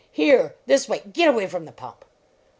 Here! This way! Git away from the pump!"